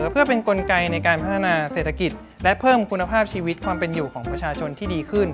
เพื่อเป็นกลไกในการพัฒนาเศรษฐกิจและเพิ่มคุณภาพชีวิตความเป็นอยู่ของประชาชนที่ดีขึ้น